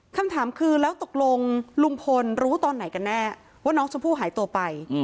คำถามคือแล้วตกลงลุงพลรู้ตอนไหนกันแน่ว่าน้องชมพู่หายตัวไป